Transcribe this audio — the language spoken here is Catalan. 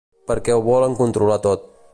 Perquè ho volen controlar tot.